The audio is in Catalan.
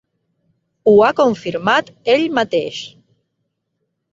Ho ha confirmat ell mateix.